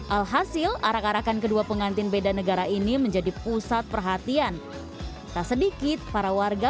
alhasil arak arakan kedua pengantin beda negara ini menjadi pusat perhatian tak sedikit para warga